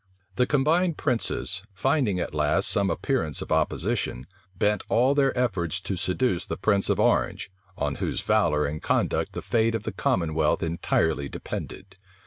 The combined princes, finding at last some appearance of opposition, bent all their efforts to seduce the prince of Orange, on whose valor and conduct the fate of the commonwealth entirely depended.